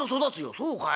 「そうかい？